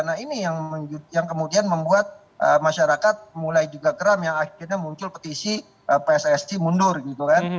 nah ini yang kemudian membuat masyarakat mulai juga geram yang akhirnya muncul petisi pssi mundur gitu kan